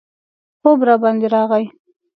خوب راباندې راغی.